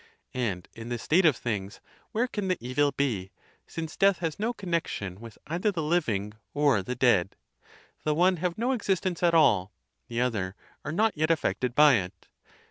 And in this state of things where can the evil be, since death has no connection with either the living or the dead? The one have no existence at all, the other are not yet affected by it.